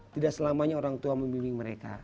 tidak selamanya orang tua membimbing mereka